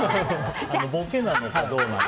ボケなのかどうなのか。